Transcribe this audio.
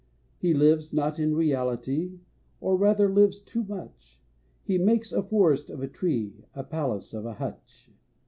He lives not in reality, Or rather, lives too much. He makes a forest of a tree, A palace of a hutch.